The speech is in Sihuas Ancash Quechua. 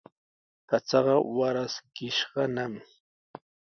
Pachaqa waraskishqanami.